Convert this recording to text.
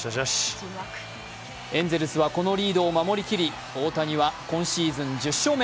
エンゼルスは、このリードを守り切り、大谷は今シーズン１０勝目。